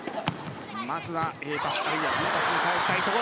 まずはＡパス、あるいはＢパスで返したいが。